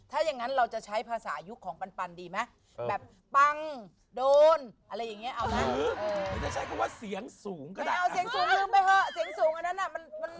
ถ้าอย่างนั้นเราจะใช้ภาษายุคของปันดีไหมแบบปังโดนอะไรอย่างนี้เอานะ